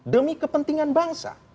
demi kepentingan bangsa